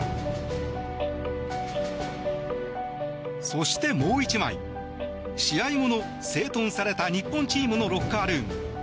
そしてもう１枚試合後の、整頓された日本チームのロッカールーム。